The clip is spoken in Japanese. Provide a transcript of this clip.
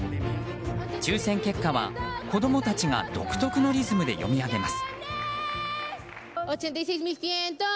抽選結果は子供たちが独特のリズムで読み上げます。